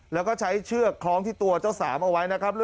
แล้วก็ใช้เชือกคล้องที่ตัวเจ้าสามเอาไว้นะครับ